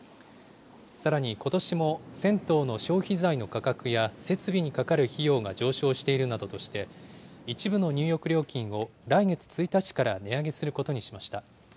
さらにことしも、銭湯の消費財の価格や設備にかかる費用が上昇しているなどとして、一部の入浴料金を来月１日から値上げすることにしました。